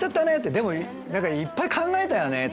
でも何かいっぱい考えたよね！